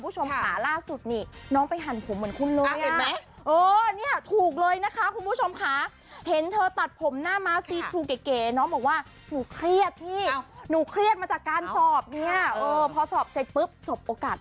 จริงแค่กลิ่นตัวมันก็น่าจะเปรี้ยวได้แล้วนะ